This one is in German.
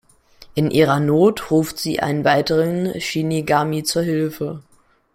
In ihrer Not ruft sie einen weiteren Shinigami zu Hilfe.